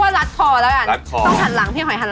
ความกลัวเข้าก็จะแอบขยับอ่ะ